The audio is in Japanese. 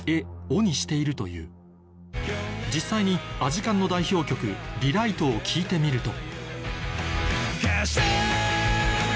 「お」にしているという実際にアジカンの代表曲『リライト』を聴いてみると